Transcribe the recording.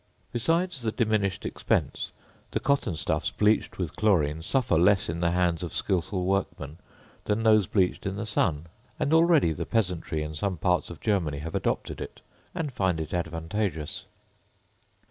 Besides the diminished expense, the cotton stuffs bleached with chlorine suffer less in the hands of skilful workmen than those bleached in the sun; and already the peasantry in some parts of Germany have adopted it, and find it advantageous.